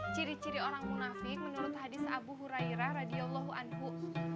ciri ciri orang munafi menurut hadis abu hurairah radiallahu anhu